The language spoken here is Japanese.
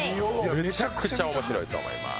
めちゃくちゃ面白いと思います。